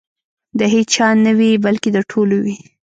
د هیچا نه وي بلکې د ټولو وي.